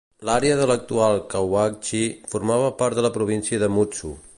L'àrea de l'actual Kawauchi formava part de la província de Mutsu.